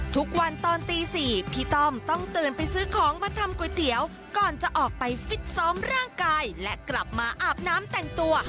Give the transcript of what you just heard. ทุกวันตอนตี๔พี่ต้อมต้องตื่นไปซื้อของมาทำก๋วยเตี๋ยวก่อนจะออกไปฟิตซ้อมร่างกายและกลับมาอาบน้ำแต่งตัว